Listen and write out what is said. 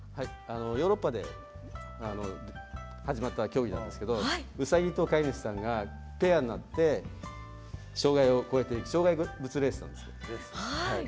ヨーロッパで始まった競技なんですけどウサギと飼い主さんがペアになって障害を越えていく障害物レースです。